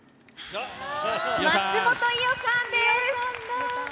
松本伊代さんです。